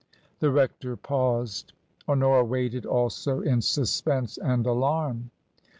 The rector paused. Honora waited also in suspense and alarm.